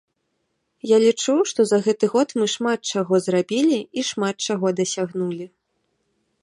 Я лічу, што за гэты год мы шмат чаго зрабілі і шмат чаго дасягнулі.